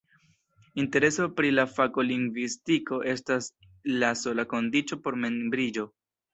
Intereso pri la fako lingvistiko estas la sola kondiĉo por membriĝo.